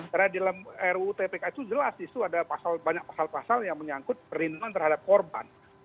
karena di dalam ruu tpk itu jelas disitu ada banyak pasal pasal yang menyangkut perlindungan terhadap korban